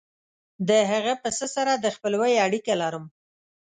د هغه پسه سره د خپلوۍ اړیکه لرم.